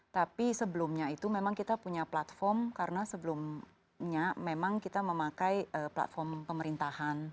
tapi sebelumnya itu memang kita punya platform karena sebelumnya memang kita memakai platform pemerintahan